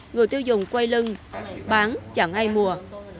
người tiêu dùng quay lưng bán chẳng ai mua